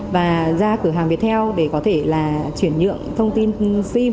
và ra cửa hàng viettel để có thể là chuyển nhượng thông tin sim